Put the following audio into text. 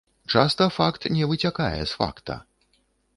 Часта факт не выцякае з факта.